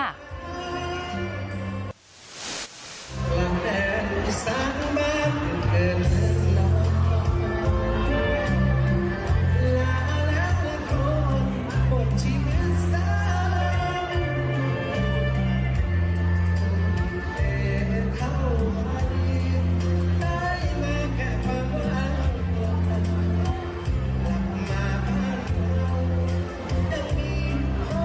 แม่เธอโอ้ที่ใดแม่แค่ความอ้ำแม่เธอรักมากอย่างมีพ่อแม่แก่บ้าน